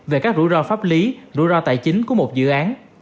về các rủi ro pháp lý rủi ro tài chính của một dự án